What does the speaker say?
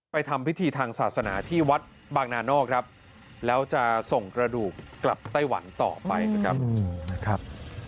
ทำพิธีทางศาสนาที่วัดบางนานอกครับแล้วจะส่งกระดูกกลับไต้หวันต่อไปนะครับ